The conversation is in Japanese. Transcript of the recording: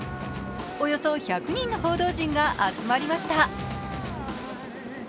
およそ１００人の報道陣が集まりました。